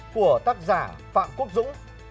của tác giả phạm quốc dũng